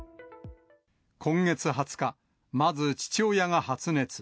今月２０日、まず父親が発熱。